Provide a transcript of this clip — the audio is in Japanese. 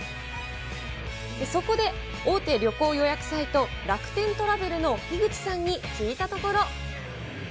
そこで、大手旅行予約サイト、楽天トラベルの樋口さんに聞いたところ。